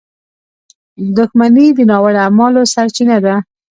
• دښمني د ناوړه اعمالو سرچینه ده.